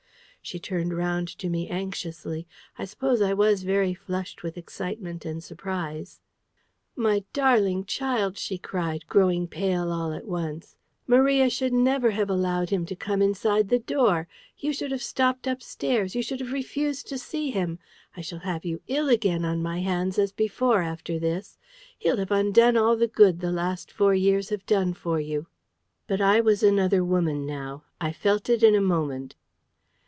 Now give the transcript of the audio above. She turned round to me anxiously. I suppose I was very flushed with excitement and surprise. "My darling child," she cried, growing pale all at once, "Maria should never have allowed him to come inside the door! You should have stopped upstairs! You should have refused to see him! I shall have you ill again on my hands, as before, after this. He'll have undone all the good the last four years have done for you!" But I was another woman now. I felt it in a moment.